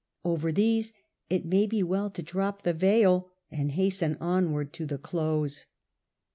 Over these it may be well to drop the veil and hasten onward to the close.